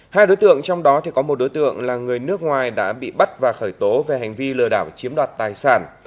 hai đối tượng trong đó có một đối tượng là người nước ngoài đã bị bắt và khởi tố về hành vi lừa đảo chiếm đoạt tài sản